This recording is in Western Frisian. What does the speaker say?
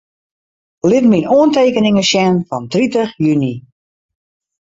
Lit myn oantekeningen sjen fan tritich juny.